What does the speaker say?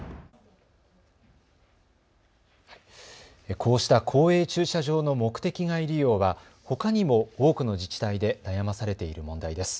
こうした公営駐車場の目的外利用は、ほかにも多くの自治体で悩まされている問題です。